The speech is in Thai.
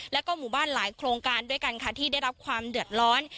แล้วก็หมู่บ้านหลายโครงการด้วยกันค่ะที่ได้รับความเดือดร้อน